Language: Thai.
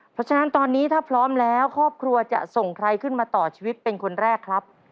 เพราะฉะนั้นตอนนี้ถ้าพร้อมแล้วครอบครัวจะส่งใครขึ้นมาต่อชีวิตเป็นคนแรกครับ